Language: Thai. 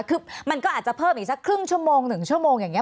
คือมันก็อาจจะเพิ่มอีกสักครึ่งชั่วโมง๑ชั่วโมงอย่างนี้